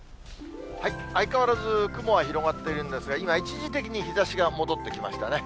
相変わらず、雲は広がっているんですが、今、一時的に日ざしが戻ってきましたね。